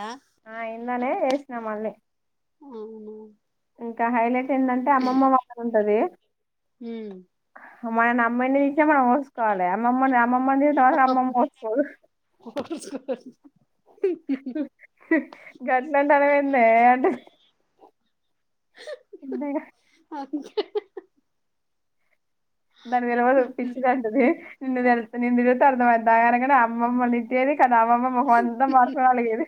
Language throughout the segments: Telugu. ఆ ఆ ఇందానే వేసినా మళ్ళీ అవున ఇంకా హైలైట్ ఏంటంటే అమ్మమ్మ వాళ్ళది ఉంటది హ్మ్ [unintelligible] అమ్మమ్మ ది త అమ్మమ్మ ఒస్కోదు గట్లంటన్నవ్ ఏందే అంతేగా అక దాని తెల్వదు పిచ్చిదంటది నిన్ను ఎళ్తే నిన్ను జూస్తే అర్థమయిద్ది అల అనగానే అమ్మమ్మ దిట్టేది కాని అమ్మమ్మ మోహం అంతా మాత్రం ఆలగేది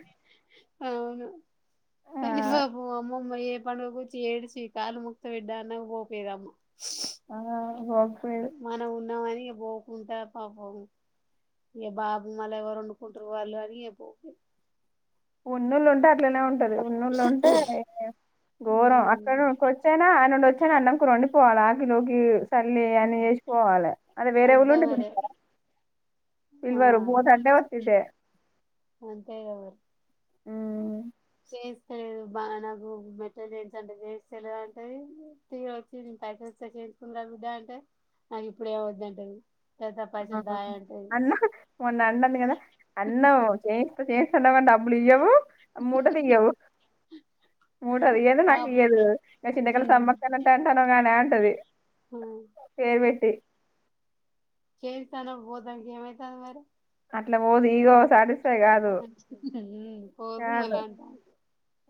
అవును ఆ కానీ పాపం అమ్మమ్మ ఏ పండుగ కూర్చి ఏడ్చి కాళ్ళు మొక్కుత బిడ్డ ఒపెరమ్మ అనావనుకో మనం ఉన్నా అని పోకుంటా పాపం ఏ బాబు మళ్ళ ఎవరు వండుకుంటారు వాళ్ళు అని ఎపోపె ఉన్నాళ్ళు ఉంటే అట్లాగే ఉంట్ ఉంటది ఉన్నోళ్ళు ఉంటే ఘోరం అక్క హ్మ్ కొచ్చ అయిన అన్డొచ్చ్ సరే అన్నం కూర వండి పోవల గినూగీ సర్లే అని ఎస్పోవాలి అదే వేరే వోళ్ళు అంతే ఉంటే మరి చూడనిస్తార ఆ పిల్వరు బోతు అంటే వచ్చిద్దే అంతే కద మ్మ్మ్ చేస్తలేదు బాన గోగ్ మెట్టెల్ జేయించు అంటే చేయించ లేదు అంటది తీర వచ్చి దీని పైస ద చేయించుకుందం బిడ్డ అంటే నాకు ఇప్పుడే ఏం వద్దు అంటది అన్న మొన్న అంటది కదా అన్నో చేస్త చేయించుకో చెయి తిన్నగ డబ్బులు ఇయ్యవు మూట తీయ్యవు మూట దియదు నాకు పాపం ఇయదు న చింతకల సమ్మక్కాలంట అంటానవ్ గానీ అంటది కేే బేట్టి కేస్తానవ్ బోతనికి ఏమైతది మరి అట్ల బోదీ ఇగో సాలు మ్ పోవు మలా అంటా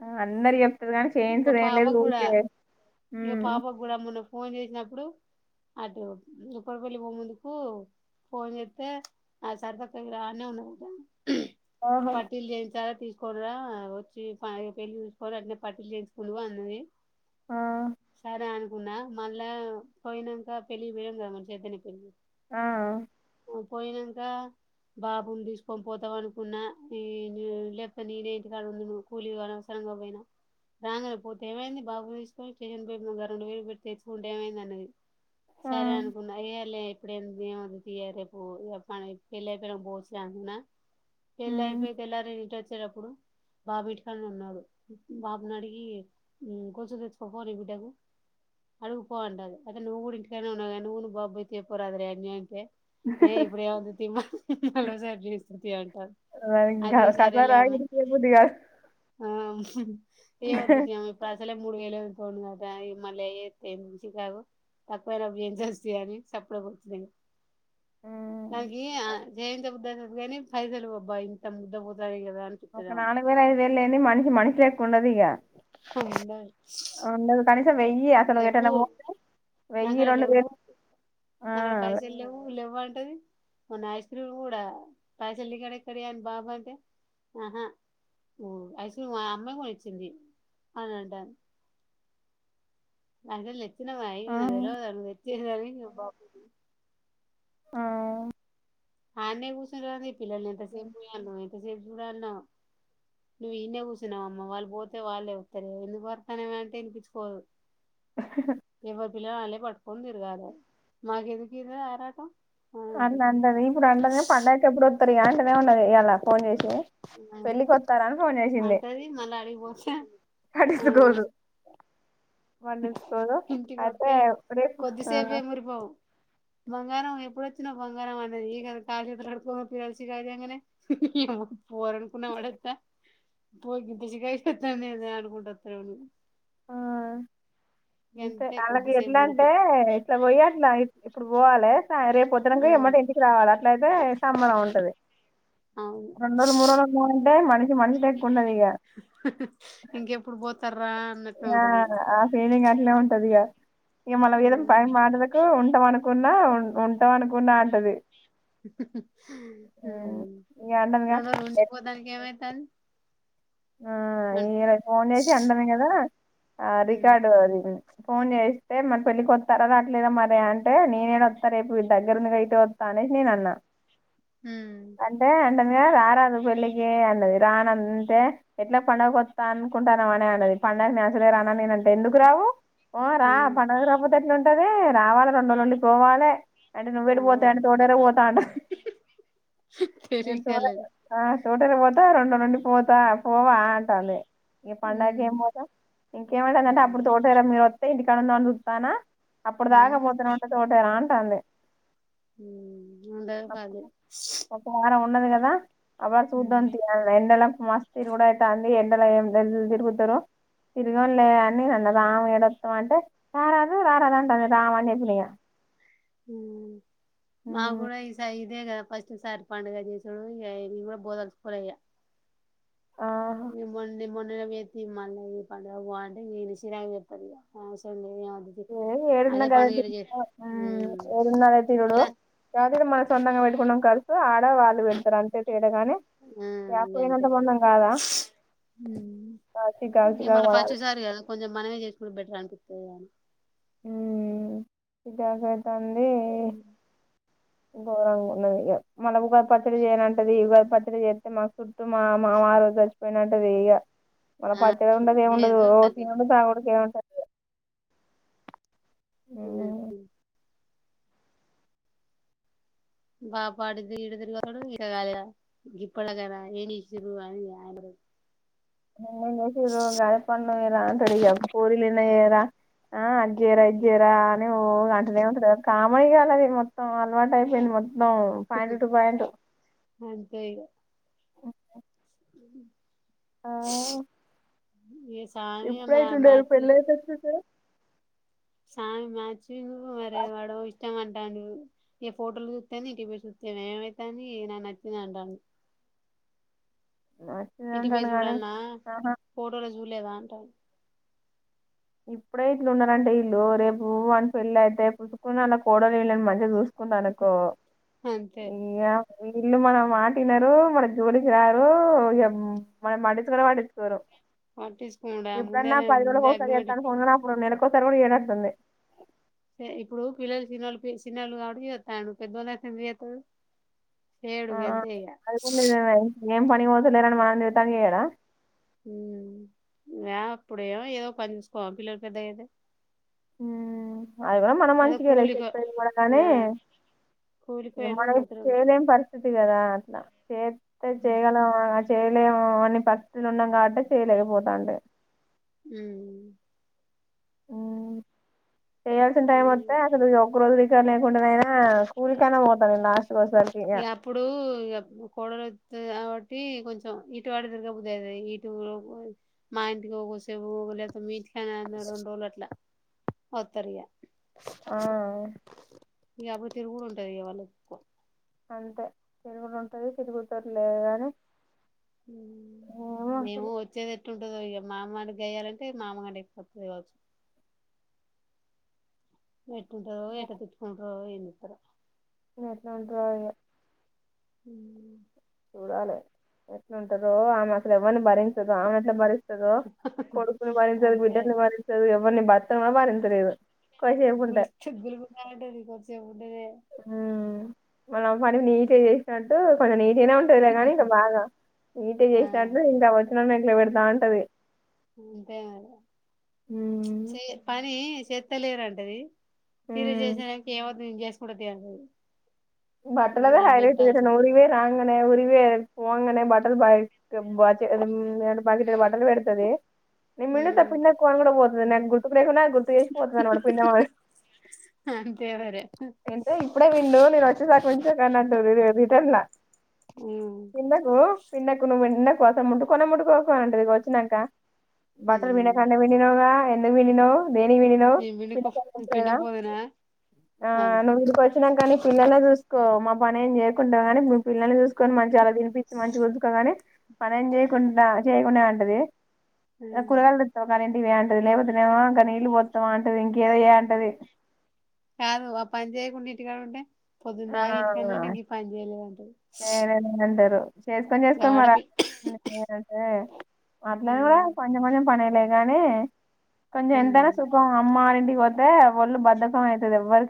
ఆ అన్నర్యెప్ ఇంక పాప కూడా ఇంక పాప కూడా మొన్న ఫోన్ చేసినప్పుడు అటు ఉపరవల్లి ఓ మునుపు ఫోన్ జేత్తే అ సరసక్క దగ్గర ఆడ్నే ఉన్న గద ఆహా పట్టీలు చేయించాలి తీసుకోన్రా వచ్చి ప ఇగ పెళ్లి జూసుకోవాలి పట్టీలు చేయిచుకున్నవ అన్నది ఆ సరే అను ఉన మళ్ళా పోయినక పెళ్లి పోయం కదా మ చైతన్య పెళ్లి ఆ పోయినంక బాబుని దీసుకొని పోతాం అనుకున్నా ఈ లేప్తే నే నే ఇంటి కాడ ఉందును కూలీ పోనవసరం ఇదిగో బోయిన రాంగనే పోతే ఏమైంది బాబు తీసుకొని స్టేషన్ పోయి ఇంగ రెండు వేలు పెట్టి తెచ్చుకుంటే ఏమైంది అన్నది సరే ఆ. అనుకున్నాయే లే ఇప్పుడు ఎం తీయదు తీయె రేప్ మన ఎత్తుకెళ్ళి ఎకరం బోస్ యందెన పెళ్ళి అయిపోయి తెల్లారి ఇటు వచ్చేటప్పుడు బాబు ఇంటికన్నే ఉన్నాడు బాబ్ న్నడిగి కొసు తెచ్చకో పో నీ బిడ్డకు అడుగు పో అంటాది అయితే నువ్వు ఇంటికాడ్నే ఉన్నవ్ గ నువ్వు నీ బాబు పో తే పోరాదిరే అని అంటే ఏ ఇప్పుడు ఏమవుతది తీమ మళ్ళ ఒసారి జేస్త్రు తీమంటే సరిగ్గా కద రాయ్ బుద్ది చెబుద్ది గాదు ఆ ఏ వద్దు తెవద్దు ప్రసలే మూడు మీలో ఎవరు ఫోన్ గ రాయే మళ్ళ ఏత్తే సిగవో తక్కువయినప్పుడు ఏం చేస్తాయ అని చెప్పలేక వచ్చంది అని ఉమ్. నాకి జేయించ బుద్ది అయితది గాని ఫైసలు భయంతో ముద్ద కూత దిగదు ఒక నాలుగు వేల ఐదు వేలు లేనింది మనిషి మనిషి లేక్క ఉండది ఇగ హ ఉండాలి ఉండదు కనీసం వెయ్యి అసలు నువ్యు ఎటన్న బోతే వెయ్యి రెండు వేలు ఆ అక్కడ పైసల్ లేవ్వు లేవ్వు అంటది మన్నా యస్తీ కూడా పైసల్లి కడ ఇక్కడి అని బాబా అంటే ఆహా ఓ అసలు మా అమ్మాయి కూడా ఇచ్చింది అని అంటాను ఆ [unintelligible] ఆ ఆన్నే కూచుంటరండి పిల్లలు ఇంతసేపు చూడల్నా నువ్వు ఇన్నే కూర్చున్నావ అమ్మా వాళ్ళు పోతే వాళ్ళే వత్తరు ఎందుకు వర్తానే అంటే వినిపించుకోదు ఎవ్వరి పిల్ల వాళ్ళే పట్టుకొని తిరగలె మాకు ఎదికు ఇద ఆరాటం అంట అంటది ఇప్పుడు అంటనే పడాక ఎప్పుడు వస్తారు అంటనే ఉన్నది ఇయాలా ఫోన్ చేసి ఆ పెళ్ళికి వత్తారా అని ఫోన్ చేసింది అంటది మళ్ళీ అడిగిపోతే ఆ పట్టించుకోదు పట్టించుకోదు ఇంటి అయితే కొత్తే రేపు ఆ కొద్దిసేపే మురిపోవు బంగారం ఎప్పుడు వచ్చిన బంగారం అన్నది క కాళ్ళు చేతలు కడుకో పిల్సి వచ్చి రాంగానే ఫోరన్కున్నా వాడత పోగిందిసి కాయ చెతానే అది అనుకుంట వత్తది ఆ అంతే అలాగే కొద్దిసేపు ఎట్లా అంటే మురిపం ఇట్లా పోయట్లా ఇప్పుడు పోవాలి త రేపోత్తడానికి మ్మ్ ఎమ్మట ఇంటికి రావాలి అట్లయితే సంబరం ఉంటది అవును రెండు రోజులు మూడు రోజులు అంటే మనిషి మనిషి ఎక్కువ ఉంటది ఇక ఇంకెప్పుడు పోతారు ఆ ఆ ఫీలింగ్ అట్నే ఉంటదిగా ఇ మన విధం పై మాటకు ఉంటాం అనుకున్నా ఉంటాం అనుకున్నా అంటది ఉం, ఇక అంటాం ఇక రెండో రోజు పోతానికి ఏమైతాంది ఆ ఈ అంటూ ర ఫోన్ చేసి అంటను కదా ఆ మ్మ్ రికార్డు అది ఫోన్ చేస్తే మరి పెళ్ళలికి వస్తారుదా అట్లేద మరే అంటే నేనేడ వస్తా రేపు దగ్గర అయితే వత్త అని అని నేను అన్న ఉమ్ ఏంటంగా రారదు పెళ్ళికి అన్నది రానంటే ఎట్లా పండుగ వత్త అనుకుంటావని అని అన్నది పండక్కి నేను అసలే రాను నేనంటే ఎందుకు రావు ఓ రా మ్మ్ పండకి రాపోతే ఎట్లున్ ఉంటదే రావాలి రెండు రోజులు ఉండి పోవాలే అంటే నువ్వెడి అగో పోతావు అంటే తోటలోకి పోతా అంటది నేను తోట తెలివికలేదు ఆ తోటని పోతా రెండు నుండి పోతా పోవా అంటాంది ఈ పండుగ మ్మ్ ఏం పోతాం ఇంకేమంటదంటే అప్పుడు తోట మీరు వస్తే ఇంటికాడ వాని చుస్తానా అప్పుడు మ్మ్ దాకపోతేనే ఉంటే తోటనా అంటాంది ఉ అంట పాది దా ఆ పాప చూడ్డానికి ఎండలకు మస్ తిరుగుడాయతా అంది ఎండల ఎల్ తిరుగుతరో తిరిగంలే అని అన్న రాము ఎడత్తం అంటే రారదు రారాదంటది రాము అని చెప్పిన ఇగ ఉ మా కూడ ఈసారి ఇదే కద ఫస్ట్ సార్ పాండుగ కూడా బ పోదల్చుకోలేదు ఇగ ఆ ప వేత్ మళ్ళీ ఈ పండుగ పో అంటే ఇడిసిరా అని చెప్ప ఇగ అవసరం లేదు వద్దు తీ ఏ ఏడున్న అదే పండుగ గది ఈడ చేస్ ఏడున్నా ఉమ్ ఏడున్న వచ్చి చూడు మళ్ళ రాకుంటే మను సొంతంగా పెట్టుకున్నాం కర్చూ ఆడ వాళ్ళు పెళ్తారు అంతే తే దంగానే చేకపోయినంత పొందం కాదా ఉ ఆ, చికాకు ఇ చికాకు మళ్ళ పడాలి పచ్చసారి కదా కొంచెం మనమే చేసుకుంట బెటర్ అనిపి రియం ఉ [unintelligible] అయితంది ఉ ఘోరంగా ఉన్నది ఇగ మన ఉగాది పచ్చడి చేయనంటది ఈ ఉగాది పచ్చడి చేస్తే మాకు చు మామ మామారు చచ్చిపోయినంటది ఇగ మళ్ళ పచ్చగా ఉండదు ఏం ఉండదు లేదు ఓ తినుడు తాగుడు కేమ ఉమ్. హ [unintelligible] [unintelligible] ఆ అది చేర ఇది చెర అని ఏంటంది కామనీ కాాలది మొత్తం అలవాటు అయిపోయింది మొత్తం పాయింట్ టు పాయింట్ అంతే ఇగ ఆ ఇగ సామి ఇప్పుడే మా యిట్లుంటే రేపు మ్యాచ్ పెళ్లి అయ్యాక ఎట్లుంటారు సా మ్యాచింగు వర వాడ ఇష్టమ ఏ ఫోటోలు చూస్తేని ఇంటికి చూస్తే ఏమైతని నా నచ్చింది అంటాను మంచిగనే ఇంటికి పై ఉంటడు గానీ చూడాల్న్న ఆహా ఫటోలో చూలేదా అంటాడు ఇప్పుడే ఇట్లు ఉన్నారంటే ఇల్లుు రేపు వని పెళ్ళి అయితే పుసుకుని అలా కోడలు వీళ్ళని మంచిగా చూస్త కున్నానుకో అంతే ఇయ ఇల్లు మనం మాటినరు మన జోలికి రారు ఇ మనం మటించుకు పట్టించుకోరు పటిచు ఇప్పుడన్నా పదివేలకుకి ఒకసారి చేస్తాను ఫందున్నా అప్పుడు నెలకోసరి కూడ ఏనడుస్తుంది ఇప్పుడు పిల్లలు సినిలులు ఆవిడ చేస్తా పెద్దవాళ్ళ సిని చేతారు ఆ [unintelligible] అది కూడా నిజమే ఏం పని పోదులేరని మనం తతానికి చెయ్యాడా అప్పుడేమో ఏదో కొంచెం కోం పిల్లలు పెద్ద ఏద అవి కూడా మనం మంచిగా వెలా కూలికో చెప్పేది కూడాగానీ ఆ కూలికో ఇ ఏటో మన పోతనే ఉంటరు చేయలేని పరిస్థితి కదా అట్లా చేస్త చేయగల చేయలే అని పస్లు ఉన్నాం కాబట్టి చేయలేకపోతాండి ఉ ఉ చేయయాల్సిన టైమ్ మంతే చలు వగ్రోజ టయినా స్కూలికనే పోతాంలా అప్పుడు కూడు కాబట్టి కొంచెం ఇటువాడి దిరగ బుద్ది అ ఇటు మా ఇంటికి ఒకసేపు ట్ రెండలట్లా ఒతరయా ఆ యాభై తరు కూడా ఉంటది వాళ అంతే తిరుగులో ఉంటుంది తిరుగుతూరు లేదు కానీ మేము వచ్చేది ఎట్టు ఇ మామ నే గయాలంటే మామగంటే ఎక్కువ అత్తది కావచ్చు వెట్టుంటదో ఎట్ట తిట్టుకుంటరో ఏం చెత్తరో ఇగ ఎట్లుంట్రో ఇగ ఊ చూడాలి ఎట్ల ఉంటరో ఆమె అసలు ఎవరిని భరించదు ఆమె ఎట్లా భరిస్త కొడుకుని బరించది అంతే బిడ్డని బరించది ఎవరిని భర్తను కూడా భరించలేదు కొద్దిసేపు గ [unintelligible] [inaudible] ఉంటే గులింటది కొచ ఉంటద మనం పని నీట్టిగ చేసినట్టు కొంచెం నీ మంచిగానే ఉంటదిలే కాని ఇక బాగా నీట్టిగ ఆ చేసినట్టు ఇంకా వచ్చిన న నెట్లే పెడతా ఉంటది అంతే మరి ఉమ్ చె పని శేత్తలేరంటది తిరి చేసానికి ఏమద్దు నేను చేసుకుంట తీ అంటది బట్టలదె ఇగ హైలెట్టు మెంటాలిటీ ఏటన్న ఉరికి పోయి రా ఈమెనే ఉరికివోయే పొంగనే బట్టలు బాయ్ బచ బకిటెడు బట్టలు పెడతదే నే పిండుత ఉమ్ పిండక్కు అని కూడా పోతదే నాకు గుర్తుకు లేకున్న అది గుర్తు చేసి పోతది అన మాట పిండమని [inaudible] అంతేవర [inaudible] [unintelligible] ఇప్పుడే విండు నేను వ కొంచెం కన్నాంట ఇద రిటర్న్ల ఉమ్ పిండకు పిండకు నువ్వు నా కోసం ముట్టుకోనే ముట్కోకు అంటది ఒచినంకా బట్టలు ఉమ్ విండకంటే విండినవ్ కదా వినినవ్ దేనికి విండినవ్ నేను పిండుకో పిండపోదునా ఆ అంది నువ్వు ఇడికి వచ్చినాక పిల్లల చూస్ సుకో మా పని ఏం చేయకుంట గానీ మీ పిల్లల్ని చూసుకొని మంచిగా అలా తినిపించి మంచిగుంచుకోగని పనేం చేయకుండా చేయకుండ ఉంటది అ కురగయలు దెత్తవ ఇవే అంటది లేకపోతేనేమో ఇంక నీళ్ళు వోత్తవా అంటది ఇంకేదో చేయి అంటది కాదు ఆ పని చేయకుండ ఇంటికాడ ఉంటే ఆ పొద్దుందాకా ఇంటికన్నె ఉంట గీ పని చేయలేదంటది చేయలేదని అంటారు చేసుకొని చేసుకొని మరి మాట్లా కూడా ఉమ్ కొంచెం కొంచెం పనిలేదు కానీ కొంచెం ఉమ్ ఎంతైనా సుఖం అమ్మ వాళ్ళ ఇంటికి పోతే ఒళ్ళు బధకం అయితది ఎవ్వరికి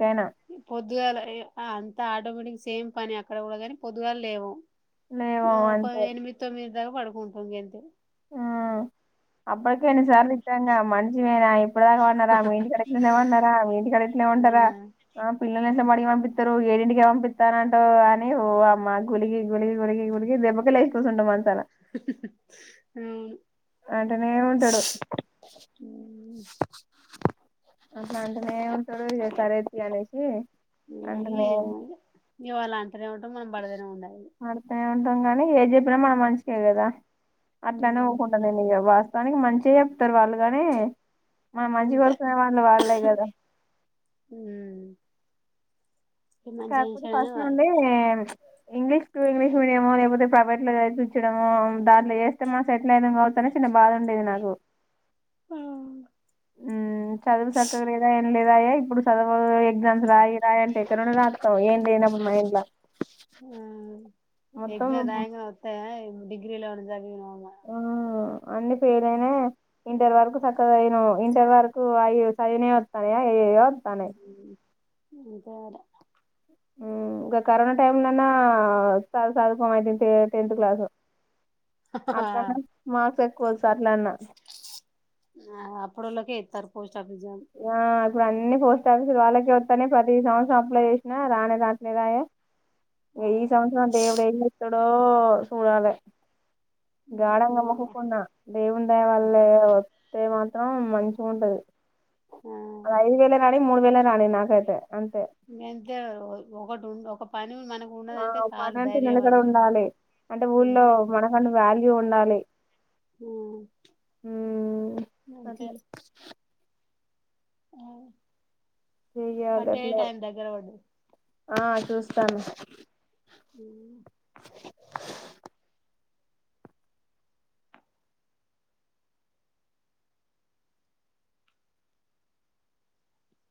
పొద్దుగాల రే అంతా ఆటోమేటిక్ సేమ్ పని అక్కడ కూడా కని పొద్దుగాల లేవం లేవం నువ్వు ఒక అంతే ఎనిమిది తొమ్మిదిటి దాకా పడుకుంటాం గంతే అప్పకే ఎన్ని సార్లు ఇచ్చాంగా మంచిమేనా ఇప్పుడు దాకా వన్నారా మీ ఇంటికాడ గిట్లనే వన్నారా మీ ఇంటి కాడకిట్ల వన్నారా హా ఆ పిల్ల నే మడిగి ప ఏడింటికి పంపిస్తాను అంటో అని ఓ అమ్మా గులి గులి గుగు దెబ్బ మాసా అవును అంటనే ఉంటడు ఏమో అట్ల అంటనేే ఉంటాడు సరే తీ అనేసి అంటనేే అంటేనే ఉంటం మనం బడదనే ఉండాలి ఆడుతనే ఉంటాం కాని ఏ చెప్పినా మన మంచికే కదా అట్లానె ఊకుంట ఇగ వా దానికి మంచిగ చెప్తరు వాళ్ళు గనీ మనం మంచి అంతే కోరుకునే వాళ్లే కదా ఉమ్ మంచిగా కాకపోతె చేశాడని ఫస్ట్ వాళ్ళు నుండీ ఇంగ్లీష్ టు ఇంగ్లీష్ మీడిమో లేకపోతే ప్రైవేట్ లో చెరిపిచ్చటమో దాంట్లో ఏస్తే మనం సెటిల్ అయి బాదుండేది నాకు మ్మ్ ఉమ్ చదువు సక్కగా లేదాయే ఏం లేదాయే ఇప్పుడు చదువు ఎగ్జామ్స్ రాయి రాయీ అంటే ఏమని రాత్తవ్ ఏం లేనప్పుడు మైండ్ ల ఎగజా దాంగా వస్తా డిగ్రీలా ఉ జా ఆ అన్ని ఫేయిల్ అయినా ఇంటర్ వరకు సక్కగా అయిను ఇంటర్ వరకు అవి సరినే వస్తాన్నాయ ఏయోద్ తనేే అకార ఇంకా కరోనా టైమ్న్నా సాధకం అవుంది టెన్త్ క్లాసు అత నా మాస ఎక్వ ఆ అప్పుడోలకే తారు పోస్ ఆఫిస్ జం ఆ ఇప్పుడు అన్ని పోస్ట్ ఆఫీసులు వాళ్ళకే వస్తానే ప్రతి సంవత్సరం అప్లై చేసినా రానే దాట్లే రాయ ఆ ఈ సంవత్సరం అంటే ఎవడతడో సూడాల గాఢంగా మొక్కుకున్న దేవుండయ వాళ్ళ వస్తే మాత్రం మంచి ఉంటది ఐదు వేల రానిి మూడు వే రాని నాకతే ఇ ఎంత ఒకటిం ఒక ప పప్పు ఆ పనంట నిలకడ ఉండాలి అంటే ఊళ్ళో అంతే మరి మనకన్న వాల్యూ ఉండాలి ఆ మ్మ్ చెయ్యాలి కట్టే అట్లా టైం దగ్గర వాడు ఆ చూస్తాను అ